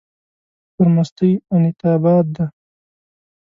پر مستۍ انيتابا دی